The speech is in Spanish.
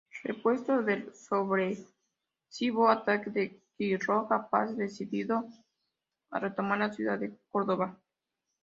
Repuesto del sorpresivo ataque de Quiroga, Paz decidió retomar la ciudad de Córdoba.